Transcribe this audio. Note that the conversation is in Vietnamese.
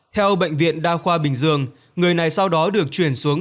theo bệnh viện đa khoa bình dương người này sau đó được chuyển xuống